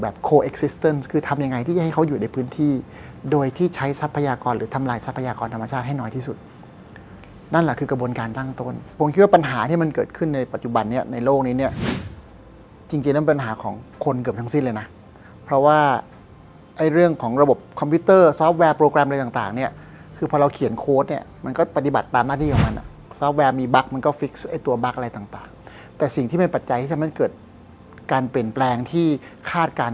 ผมคิดว่าปัญหาที่มันเกิดขึ้นในปัจจุบันนี้ในโลกนี้เนี้ยจริงจริงมันเป็นปัญหาของคนเกือบทั้งสิ้นเลยน่ะเพราะว่าไอ้เรื่องของระบบคอมพิวเตอร์ซอฟต์แวร์โปรแกรมอะไรต่างต่างเนี้ยคือพอเราเขียนโค้ดเนี้ยมันก็ปฏิบัติตามหน้าที่ของมันอ่ะซอฟต์แวร์มีบัคมันก็ตัวบัคอะไรต่างต่าง